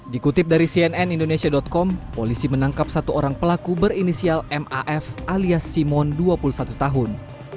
dikutip dari cnn indonesia com polisi menangkap satu orang pelaku berinisial maf alias simon dua puluh satu tahun